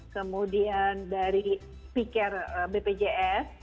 kemudian dari pk bpjs